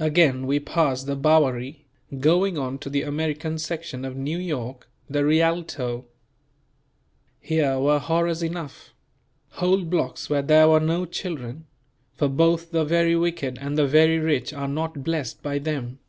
Again we passed the Bowery, going on to the American section of New York, the Rialto. Here were horrors enough; whole blocks where there were no children; for both the very wicked and the very rich are not blessed by them.